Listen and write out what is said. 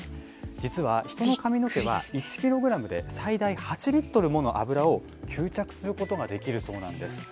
実は、人の髪の毛は１キログラムで最大８リットルもの油を吸着することができるそうなんです。